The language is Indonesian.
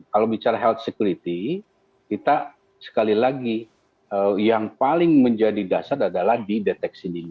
kalau bicara health security kita sekali lagi yang paling menjadi dasar adalah di deteksi dini